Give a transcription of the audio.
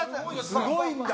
すごいんだ！